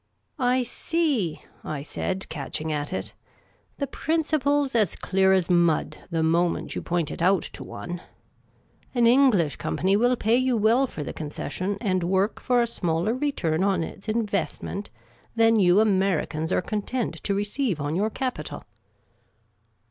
" I see," I said, catching at it. " The principle 's as clear as mud, the moment you point it out to one. An Ivnglisli com 1 LET THEM HoOM OR BUST ON IT." concession, and work for a smaller return on its investment than you Americans are content to receive on your capital